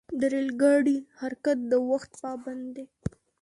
د ریل ګاډي حرکت د وخت پابند دی.